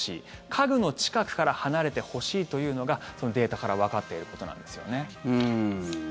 家具の近くから離れてほしいというのがそのデータからわかっていることなんですよね。